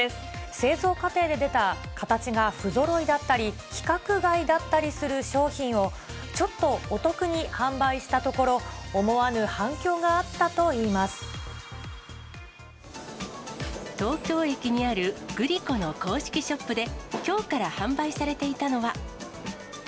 製造過程で出た形が不ぞろいだったり、規格外だったりする商品を、ちょっとお得に販売したところ、東京駅にあるグリコの公式ショップで、きょうから販売されていたのは。